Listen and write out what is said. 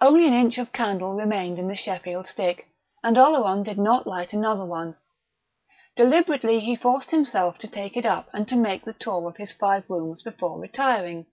Only an inch of candle remained in the Sheffield stick, and Oleron did not light another one. Deliberately he forced himself to take it up and to make the tour of his five rooms before retiring.